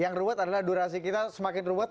yang ruwet adalah durasi kita semakin ruwet